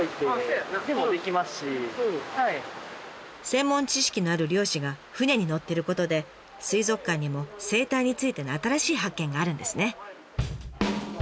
専門知識のある漁師が船に乗ってることで水族館にも生態についての新しい発見があるんですね。